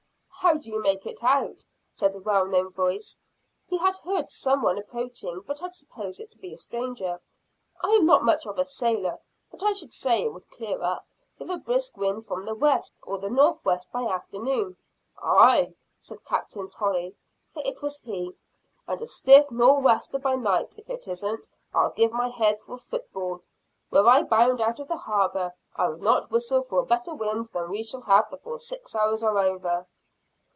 "How do you make it out?" said a well known voice. He had heard some one approaching, but had supposed it to be a stranger. "I am not much of a sailor; but I should say it would clear up, with a brisk wind from the west or the northwest by afternoon." "Aye!" said Captain Tolley, for it was he; "and a stiff nor'wester by night. If it isn't I'll give my head for a foot ball. Were I bound out of the harbor, I would not whistle for a better wind than we shall have before six hours are over."